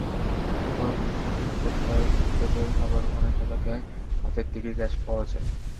কোথাও কোথায় বিকেলে, আবার অনেক এলাকায় রাতের দিকে গ্যাস পাওয়া যায়।